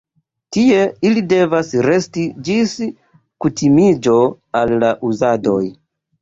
Tie ili devas resti ĝis kutimiĝo al la uzadoj.